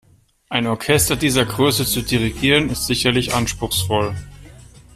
Ein Orchester dieser Größe zu dirigieren, ist sicherlich anspruchsvoll.